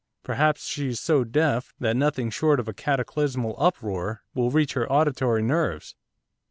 Perhaps she's so deaf that nothing short of a cataclysmal uproar will reach her auditory nerves.